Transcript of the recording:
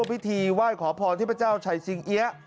พิธีไหว้ขอพรเทพเจ้าชัยสิงเอี๊ยะ